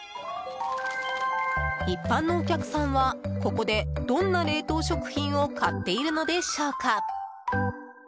一般のお客さんはここで、どんな冷凍食品を買っているのでしょうか。